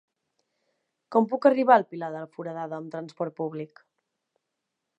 Com puc arribar al Pilar de la Foradada amb transport públic?